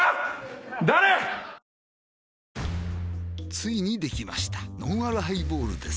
ついにできましたのんあるハイボールです